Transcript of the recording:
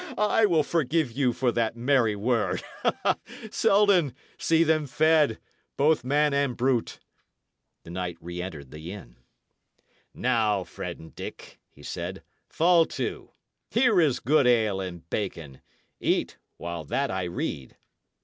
I will forgive you for that merry word. Selden, see them fed, both man and brute." The knight re entered the inn. "Now, friend Dick," he said, "fall to. Here is good ale and bacon. Eat, while that I read."